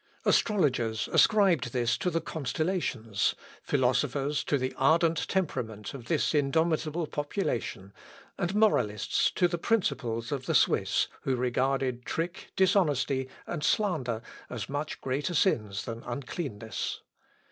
Astrologers ascribed this to the constellations; philosophers, to the ardent temperament of this indomitable population; and moralists, to the principles of the Swiss, who regarded trick, dishonesty, and slander as much greater sins than uncleanness.